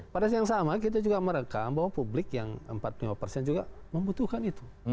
pada saat yang sama kita juga merekam bahwa publik yang empat puluh lima persen juga membutuhkan itu